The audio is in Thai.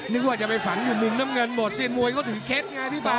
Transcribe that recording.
นึกว่าจะไปฝังอยู่มุมน้ำเงินหมดเซียนมวยก็ถือเคล็ดไงพี่ป่า